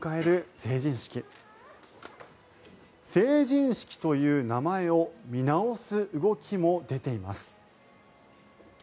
成人式という名前を見直す動きも出ています。